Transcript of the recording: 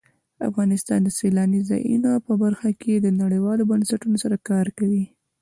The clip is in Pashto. افغانستان د سیلانی ځایونه په برخه کې نړیوالو بنسټونو سره کار کوي.